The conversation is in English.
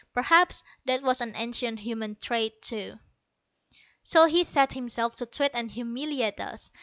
Perhaps that was an ancient human trait, too. So he set himself to twit and humiliate us.